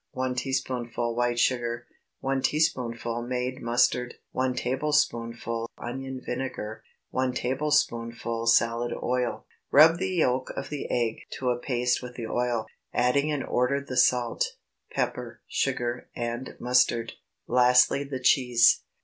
1 teaspoonful white sugar. 1 teaspoonful made mustard. 1 tablespoonful onion vinegar. 1 tablespoonful salad oil. Rub the yolk of the egg to a paste with the oil, adding in order the salt, pepper, sugar, and mustard, lastly the cheese.